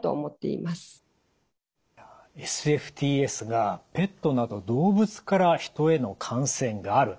ＳＦＴＳがペットなど動物から人への感染がある。